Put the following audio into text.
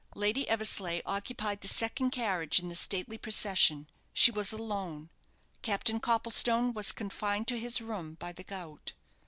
Lady Eversleigh occupied the second carriage in the stately procession. She was alone. Captain Copplestone was confined to his room by the gout.